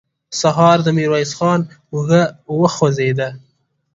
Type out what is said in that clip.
سهار د ميرويس خان اوږه وخوځېده.